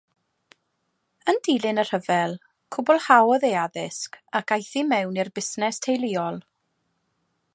Yn dilyn y rhyfel, cwblhaodd ei addysg ac aeth i mewn i'r busnes teuluol.